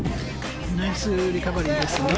ナイスリカバリーですね。